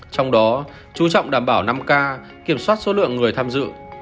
trong đó chú trọng đảm bảo năm k kiểm soát số lượng người tham dự